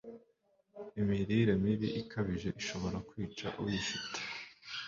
imirire mibi ikabije ishobora kwica uyifite